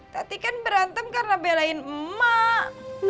tapi kan berantem karena belain emak